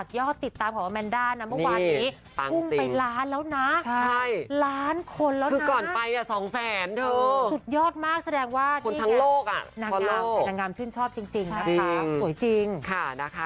กลับสู้แล้วนะคะแล้วนะคะ